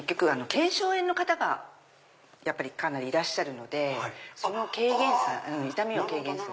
腱鞘炎の方がかなりいらっしゃるのでその軽減痛みを軽減する。